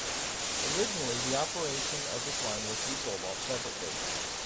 Originally the operation of this line was to be sold off separately.